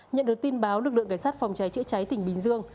nhận được tin báo lực lượng cảnh sát phòng cháy chữa cháy tỉnh bình dương